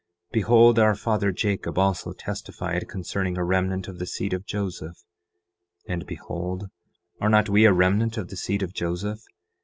10:17 Behold, our father Jacob also testified concerning a remnant of the seed of Joseph. And behold, are not we a remnant of the seed of Joseph?